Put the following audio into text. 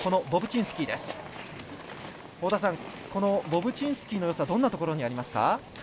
ボブチンスキーのよさはどんなところにありますか。